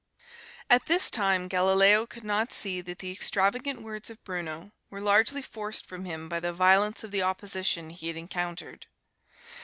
At this time Galileo could not see that the extravagant words of Bruno were largely forced from him by the violence of the opposition he had encountered.